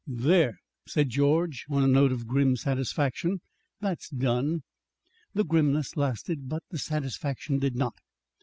"There," said George on a note of grim satisfaction, "that's done!" The grimness lasted, but the satisfaction did not.